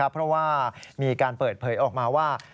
เพราะว่ามีการเปิดเผยออกมาว่า